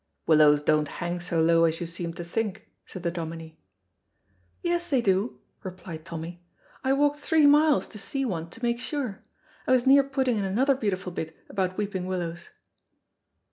"Willows don't hang so low as you seem to think," said the Dominie. "Yes, they do," replied Tommy, "I walked three miles to see one to make sure. I was near putting in another beautiful bit about weeping willows."